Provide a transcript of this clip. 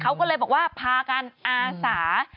เขาก็เลยบอกว่าพากันอาสา